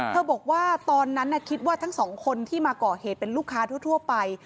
บอกว่าตอนนั้นคิดว่าทั้งสองคนที่มาก่อเหตุเป็นลูกค้าทั่วไป